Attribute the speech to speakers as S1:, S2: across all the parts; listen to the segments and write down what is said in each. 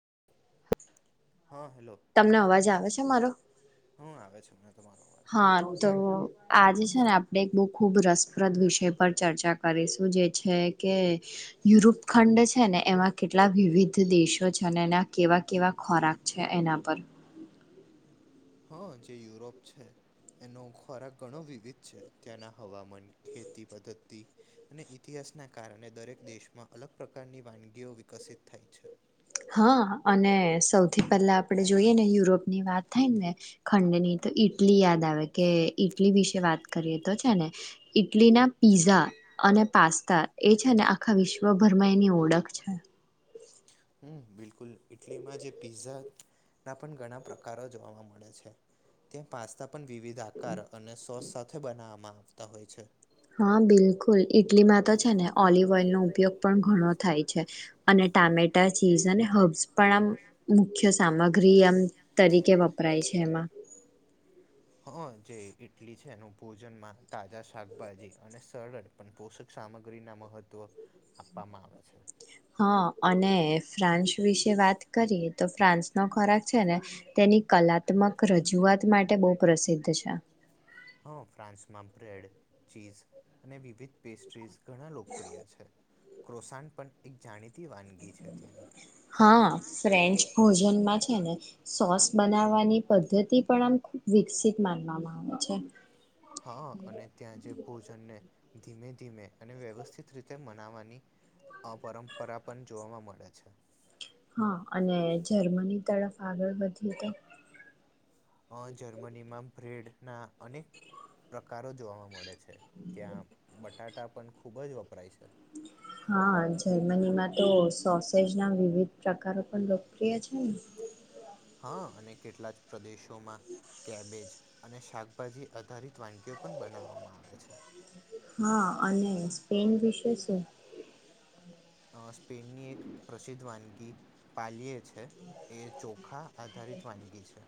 S1: [unintelligible]
S2: હા, હેલો
S1: તમને અવાજ આવે છે મારો?
S2: હું આવે છે મને તમારો અવાજ
S1: હા તો આજે છે ને આપણે એક ખૂબ ખૂબ રસપ્રદ વિષય પર ચર્ચા કરીશું જે છે કે યુરોપ ખંડ છે ને એમાં કેટલા વિવિધ દેશો છે અને એના કેવા કેવા ખોરાક છે એના પર.
S2: હા જે યુરોપ છે એનો ખોરાક ઘણો વિવિધ છે ત્યાંના હવામાન ખેતી પદ્ધતિ અને ઈતિહાસના કારણે દરેક દેશમાં અલગ પ્રકારની વાનગીઓ વિકસિત થાય છે.
S1: હા અને સૌથી પહેલા આપડે જોઈએ ને યુરોપ ની વાત થાય ને ખંડની તો ઈ ટલી યાદ આવે કે ઈટલી વિશે વાત કરીએ તો છે ને ઈટલી ના પીઝા અને પાસ્તા એ છે ને આખા વિશ્વભરમાં એની ઓળખ છે.
S2: હમ્મ. બિલકુલ ઈટલીમાં જે પીઝા ના પણ ઘણા પ્રકારો જોવા મળે છે. ત્યાં પાસ્તા પણ વિવિધ આકાર અને સોસ સાથે બનાવામાં આવતા હોય છે.
S1: હા બિલકુલ ઈટલીમાં તો છે ને ઓલિવ ઓઇલનો ઉપયોગ પણ ઘણો થાય છે અને ટામેટા ચીઝ અને હબ્સ પણ આમ મુખ્ય સામગ્રી આમ તરીકે વપરાય છે એમાં.
S2: હા જે ઈ-ઈટલી છે એનું ભોજનમાં તાજા શાકભાજી અને સરળ પણ પોષક સામગ્રી ના મહત્વ આપવામાં આવે છે.
S1: હા અને ફ્રાન્સ વિશે વાત કરીએ તો ફ્રાન્સનો ખોરાક છે ને તેની કલાત્મક રજૂઆત માટે બહુ પ્રસિદ્ધ છે.
S2: હ ફ્રાન્સમાં બ્રેડ ચીઝ અને વિવિધ પેસ્ટ્રીસ ઘણા લોકપ્રિય છે. ક્રોસાન પણ એક જાણીત
S1: હા ફ્રેન્ચ ખોજ જોન માં છે ને સોસ બનાવવાની પદ્ધતિ પણ આમ ખુબ વિકસિત માનવામાં આવે છે.
S2: હા અને ત્યાં જે ભોજનને ધીમે ધીમે અને વ્યવસ્થિત રીતે મનાવાની આ પરંપરા પણ જોવાવા મળે છે.
S1: હા અને જર્મની તરફ આગળ વધએ તો
S2: અહ જર્મનીમાં બ્રેડના અને પ્રકારો જોવા મળે છે. ત્યાં બટ ટાટા પણ ખુબ જ વપરાય છે.
S1: હા જર્મનીમાં તો સોસેજ ના વિવિધ પ્રકારો પણ લોકપ્રિય છે ને?
S2: હા અને કેટલા જ પ્રદેશોમાં કેબેજ અને શાકભાજી આધારિત વાનગીઓ પણ બનાવવામાં આવે છે.
S1: હા અને સ્પેન વિશે શું?
S2: અહ સ્પેનની એક પ્રસિદ્ધ વાનગી પાલયે છે એ ચોખા આધારિત વાનગી છે.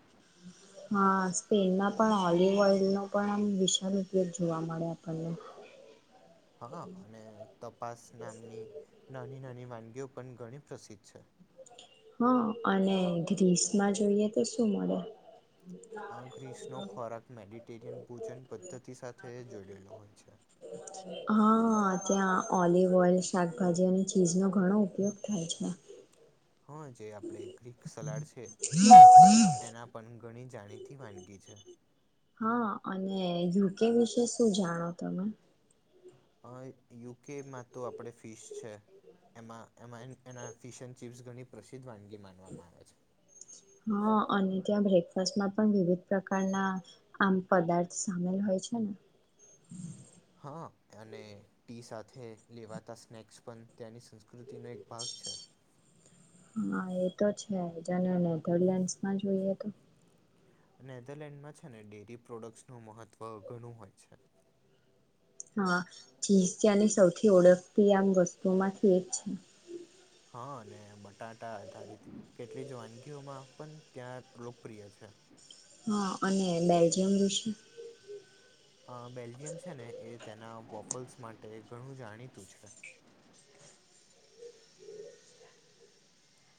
S1: હા સ્પેનમાં પણ ઓલિવ ઓઈલનો પણ આ વિશાળ ઉપયોગ જોવા મળે આપણને.
S2: હા અને તપાસ નામની નાની નાની વાનગીઓ પણ ઘણી પ્રસિદ્ધ છે.
S1: હા અને ગ્રીસમાં જોઈએ તો શું મળે?
S2: અ ગ્રીસનો ખોરાક મેડિટેરિયન ભોજન પદ્ધતિ સાથે જોડેલો હોય છે
S1: હાઆ. ત્યાં ઓલિવ ઓઇલ શાકભાજી અને ચીઝનો ઘણો ઉપયોગ થાય છે.
S2: હા જે આપડે ગ્રીક સલાડ છે એના પણ ઘણી જાણીતી વાનગી છે.
S1: હા અને યુકે વિશે શું જાણો તમે?
S2: અહ યુકેમાં તો આપણે ફીશ છે, એમાં એમાં એના ફિશન ચિપ્સ ઘણી પ્રસિદ્ધ વાનગી માનવામાં આવે છે.
S1: હા અને ત્યાં બ્રેકફાસ્ટમાં પણ વિવિધ પ્રકારના આમ પદાર્થ સામેલ હોય છે ને?
S2: હ અને ટી સાથે લેવાતા સ્નેક્સ પણ ત્યાંની સંસ્ કૃતિનો એક ભાગ છે.
S1: હા એ તો છેજને નેધરલેન્ડસમાં જોઈએ તો?
S2: નેધરલેન્ડમાં છે ને ડેરી પ્રોડક્ટ નું મહત્વ ઘણું હોય છે.
S1: હા ચીઝ ત્યાંની સૌથી ઓળખતી આમ વસ્તુમાંથી એ છે.
S2: હા ને બટાટ ધ કેટલી જવાનગી માં પણ ત્યાં લોકપ્રિય છે.
S1: હા અને બેલ્જિયમ વૉફેલ્સ
S2: અ બેલ્જિયમ છે ને એ તેના વોફલ્સ માટે ઘણું જાણીતું છે.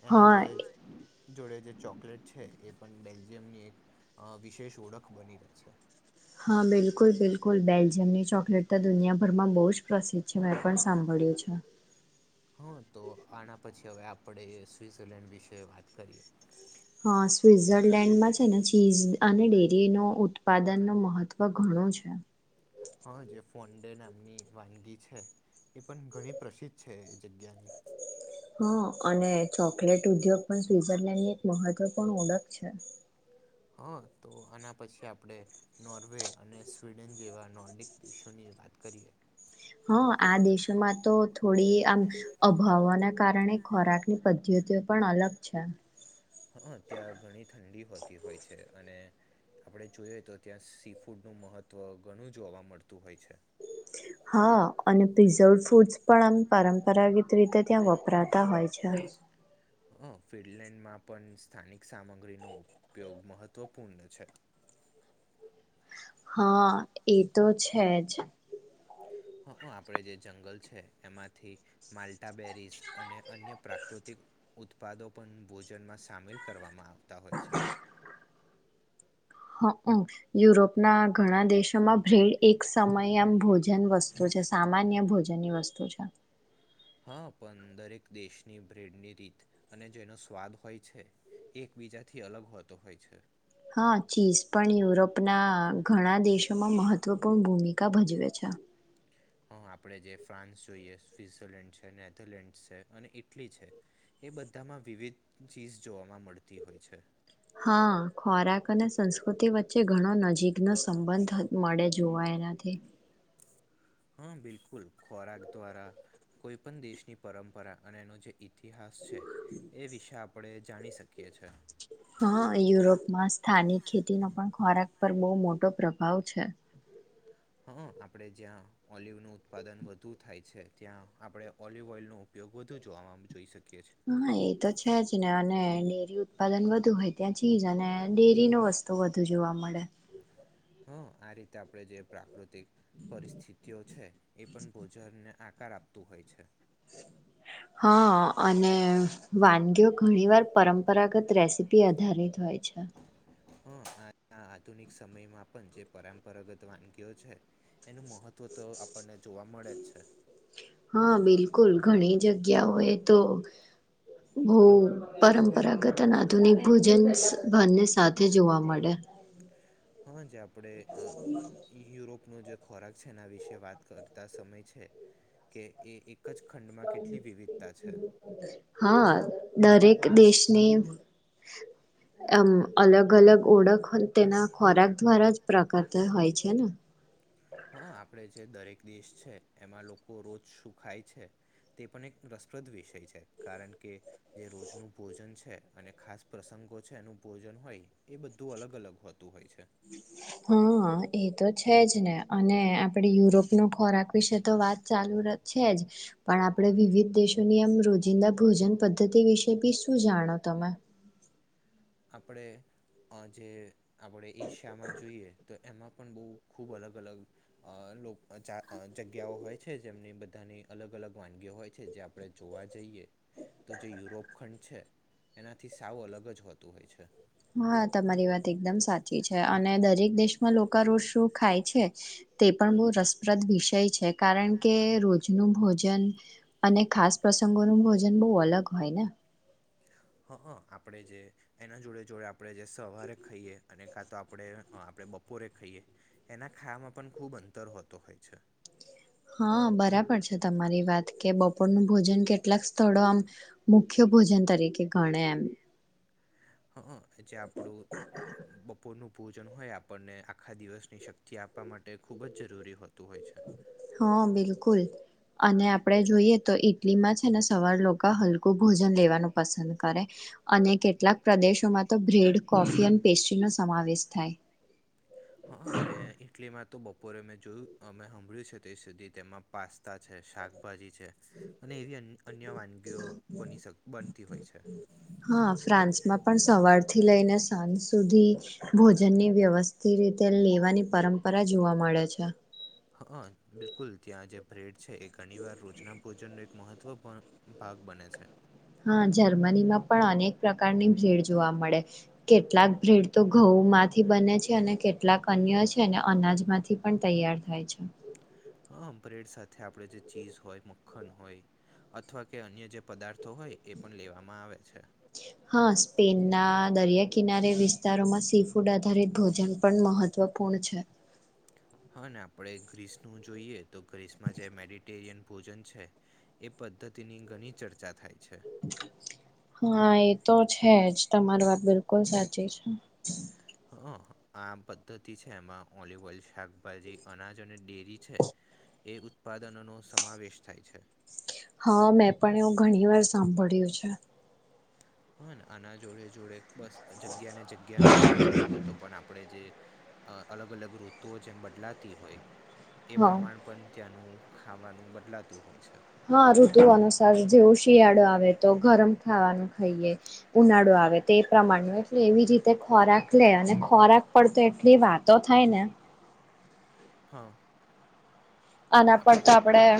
S2: એના
S1: હા
S2: જોડે જોડે જે. ચોકલેટ છે, એ પણ બેલ્જીિયમની એક વિશેષ ઓળખ બની રહે છે.
S1: હા બિલકુલ બિલકુલ બેલ્જિયમની ચોકલેટ તો દુનિયાભરમાં બહુ જ પ્રસિદ્ધ છે, મેં પણ સાંભળ્યું છે.
S2: હા, તો આના પછી હવે આપણે સ્વઝરલેન્ડ વિશે વાત કરીએ.
S1: હા સ્વિઝરલેન્ડમાં છે, ને ચીઝ અને ડેરી નો ઉત્પાદન ન મહત્વ ઘણું છે.
S2: હા જે ફોડે નામની વાનગી છે એ પણ ઘણી પ્રસિદ્ધ છે એ જગ્યાની.
S1: હા અને ચોકલેટ ઉદ્યોગ પણ સ્વઝરલેન્ડ ની એક મહત્વપૂર્ણ ઓળખ છે.
S2: હા તો આના પછી આપણે નોર્વે અને સ્વીડન જેવા નોર્ડિક દેશોની વાત કરીએ.
S1: હા આ દેશોમાં તો થોડી આમ અભાવના કારણે ખોરાકની પદ્ધતિઓ પણ અલગ છે.
S2: હા, ત્યાં ઘણી ઠંડી હોતી હોય છે અને આપણે જોઈએ તો ત્યાં સી ફૂડનું મહત્ત્વ ઘણું જોવા મળતું હોય છે.
S1: હા અને પ્રિઝર્વડ ફૂડસ પણ આમ પરંપરાગત રીતે ત્યાં વપરાતા હોય છે.
S2: હ, ફિનલેન્ડમાં પણ સ્થાનિક સામગ્રીનો ઉપયોગ મહત્વપૂર્ણ છે.
S1: હા એ તો છે જ.
S2: હ આપણે જે જંગલ છે, એમાંથી માલ્ટાબેરીસ અને અન્ય પ્રાકૃતિક ઉત્પાદો પણ ભોજનમાં સામેલ કરવામાં આવતા હોય છે.
S1: હમ યુરોપના ઘણા દેશોમાં ભ્રેડ એક સમય આમ ભોજન વસ્તુ છે, સામાન્ય ભોજનની વસ્તુ છે.
S2: હા, પણ દરેક દેશની બ્રેડની રીત અને જેનો સ્વાદ હોય છે. એકબીજાથી અલગ હોતો હોય છે.
S1: હા, ચીસ પણ યુરોપના ઘણા દેશોમાં મહત્વપૂર્ણ ભૂમિકા ભજવે છે.
S2: હા આપણે જે ફ્રાન્સ જોઈએ સ્વઝરલેન્ડ છે, નેધરલેન્ડ છે અને ઈટલી છે, એ બધામાં વિવિધ ચીઝ જોવાવામાં મળતી હોય છે.
S1: હા, ખોરાક અને સંસ્કૃતિ વચ્ચે ઘણો નજીકનોમ સંબંધ મળે જોવા એનાથી.
S2: હા, બિલકુલ ખોરાક દ્વારા કોઈ પણ દેશની પરંપરા અને એનો જે ઇતિહાસ છે, એ વિશે આપણેે જાણી શકીએ છીએ.
S1: હા યુરોપમાં સ્થાનિક ખેતીનો પણ ખોરાક પર બહુ મોટો પ્રભાવ છે.
S2: હા, આપણેે જ્યાં ઓલિવ નું ઉત્પાદન વધુ થાય છે, ત્યાં આપડે ઓલિવ ઓઈલ ન ઉપયોગ વધુ જોવા જોઈ શકીએ. છીએ
S1: હા એ તો છે જ ને અને અને ડેરી ઉત્પાદન વધુ હોય ત્યાં ચીજ અને ડેરી ન વસ્તુ વધુ જોવા મળે.
S2: હ, આ રીતે આપડે જે પ્રાકૃત પરિસ્થિતિઓ છે. એ પણ બોજારને કાર આપતું હોય છે.
S1: હા અને વાનગીઓ ઘણી વાર પરંપરાગત રેસીપી આધારિત હોય છે.
S2: હા આ આધુનિક સમયમાં પણ જે પરંપરાગત વાનગીઓ છે, એનું મહત્વ તો તો આપણને જોવા મળે અચ્છા.
S1: હા બિલકુલ ઘણી જગ્યાઓ એ તો બહ પરંપરાગત અને આધુનિક ભોજન ભરને સાથે જોવા મળે.
S2: હા જ ક આપણેે યુરોપ ન જે ખોરાક છે, એના વિશે વાત કરતા સમય છે, કે એ એક જ ખંડમાં કેટલી વિવિધતા છે
S1: હા દરેક દેશની આમ અલગ અલગ ઓળખ તેના ખોરાક દ્વારા જ પ્રકારતા હોય છે ને
S2: હા આપડે જે દરેક દેશ છે એમાં લોકો રોજ શું ખાય છે તે પણ એક રસપ્રદ વિષય છે કારણ કે જે રોજનું ભોજન છે અને ખાસ પ્રસંગો છે એનું ભોજન હોય એ બધું અલગ અલગ હોતું હોય છે
S1: હા એ તો છે જ ને અને આપણે યુરોપનો ખોરાક વિશે તો વાત ચાલુ છે જ પણ આપણે વિવિધ દેશોની આમ રોજિંદા ભોજન પદ્ધતિ વિશે બી શું જાણો તમે
S2: આપણે આ જે આપણે એશિયામાં જોઈએ તો એમાં પણ બહુ ખૂબ અલગ અલગ અ લો જગ્યાઓ હોય છે જેમની બધી બધની અલગ અલગ વાનગીઓ હોય છે જે આપડણે જોવા જઈએ તો જે યુરોપ ખંડ છે એનાથી સાવ અલગ જ હોત તો હોય છે
S1: હા તમારી વાત એકદમ સાચી છે અને દરેક દેશમાં લોકો રોજ શો ખાય છે તે પણ બહુ રસપ્રદ વિષય છે કારણ કે રોજનું ભોજન અને ખાસ પ્રસંગોનું ભોજન બહુ અલગ હોય ને
S2: હા આપણેે જે એના જોડે જોડે આપણે જે સવારે ખાઈએ અને કા તો આપણે આપણે બપોરે ખાઈએ એના ખામાં પણ ખૂબ અંતર હોતો હોય છે
S1: હા બરાબર છે તમારી વાત કે બપોરનું ભોજન કેટલાક સ્થળો આમ મુખ્ય ભોજન તરીકે ગણે એમ
S2: હ જે આપણું બપોરનું પૂજન હોય આપણને આખા દિવસની શક્તિ આપવા માટે ખુબ જ જરૂરી હોત
S1: હા બિલકુલ અને આપણે જોઈએ તો ઈટલીમાં છે ને સવાર લોકો હલકું ભોજન લેવાનું પસંદ કરે અને કેટલાક પ્રદેશોમાં તો બ્રેડ કોફી અને પેસ્ટ્રી નો સમાવેશ થાય
S2: હા અને ઇટલીમાં તો બપોરે મેં જોયું અમે સાંભળ્યું છે ત્યા સુધી તેમાં પાસ છે શાકભાજી છે અને એવી અન્ય વાનગીઓ બની બનતી હોય છે
S1: થી લઈને સાંજ સુધી ભોજનની વ્યવસ્થિત રીતે લેવાની પરંપરા જોવા મળે છે
S2: હ બિલકુલ ત્યાં જે ભ્રેડ છે એ ઘણીવાર રોજના ભોજનનો એક મહત્વપૂર્ણ ભાગ બને છે
S1: હા જર્મનીમાં પણ અનેક પ્રકારની ભીડ જોવા મળે કેટલાક ભીડ તો ઘઉં માંથી બને છે અને કેટલાક અન્ય છે અને અનાજમાંથી પણ તૈયાર થાય છે
S2: હમ બ્રેડ સાથે આપડ જે ચીઝ હોય મખન હોય અથવા કે અન્ય જે પદાર્થો હોય એ પણ લેવામાં આવે છે
S1: હા સ્પેનના દરિયા કિનારે વિસ્તારોમાં સી ફૂડ આધારિત ભોજન પણ મહત્વપૂર્ણ છે
S2: હા આપડણે ગ્રીસ નું જોઈએ તો ગ્રીસમાં જે મેડિટેરિયન ભોજન છે એ પદ્ધતિની ઘણી ચર્ચા થાય છે
S1: હા એ તો છે જ તમારી વાત બિલકુલ સાચી છે
S2: હ આ પદ્ધતિ છે એમાં ઓલિવ ઓલ શાકભાજી અનાજ અને ઈ છે એ ઉત્પાદનોનો સમાવેશ થાય છે
S1: હા મેં પણ એવું ઘણી વાર સાંભળ્યું છે
S2: હ ને આના જોડે જોડે બસ જગ્યાને જગ્યાનો ફેર નહીં હોતો પણ આપણે જે અ અલગ અલગ ઋતુઓ જેમ બદલાતી હોય એ
S1: હા.
S2: પ્રમાણ પણ ત્યાંનું ખાવાનું બદલાતું હોય છે
S1: હા ઋતુ અનુસાર જેવું શિયાળો આવે. તો ગરમ ખાવાનું ખાઈએ ઉનાળો આવે તે પ્રમાણ એટલે એવી રીતે ખોરાક લે અને ખોરાક પડતો એટલી વાતો થાય ને.
S2: હા.
S1: આના પર
S2: આપણે
S1: તો આપણેે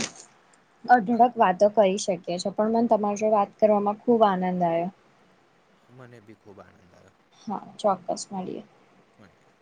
S1: અઢળક વાતો કરી શકીએ. છે પણ મને તમાર જોડે વાત કરવામાં ખુબ આનંદ આયો.
S2: મને ભી ખુબ આનંદ આયો.
S1: હા ચોક્કસ મળીએ.
S2: મળીયે.